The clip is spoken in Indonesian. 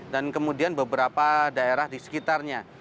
dan kemudian beberapa daerah di sekitarnya